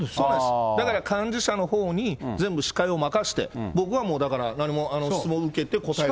だから幹事社のほうに全部司会を任せて、僕はもう、だから何も、質問受けて答える。